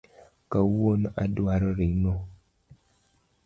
Kawuono adwaro ring’o